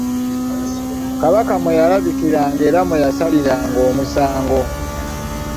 Kabaka mwe yalabikiranga era mwe yasaliranga emisango.